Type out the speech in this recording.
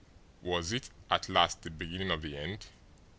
Was it, at last, the beginning of the end?